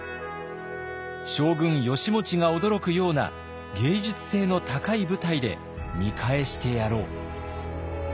将軍義持が驚くような芸術性の高い舞台で見返してやろう。